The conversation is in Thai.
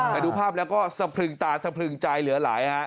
แต่ดูภาพแล้วก็สะพรึงตาสะพรึงใจเหลือหลายฮะ